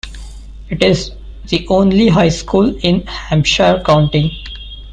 It is the only high school in Hampshire County.